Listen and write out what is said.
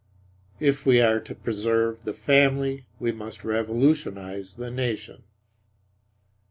If we are to preserve the family we must revolutionize the nation.